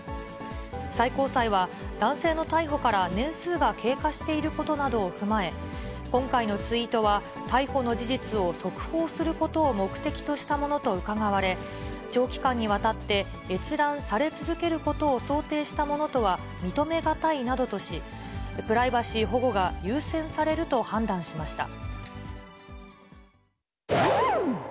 最高裁は、男性の逮捕から年数が経過していることなどを踏まえ、今回のツイートは、逮捕の事実を速報することを目的としたものとうかがわれ、長期間にわたって閲覧され続けることを想定したものとは認めがたいなどとし、プライバシー保護が優先されると判断しました。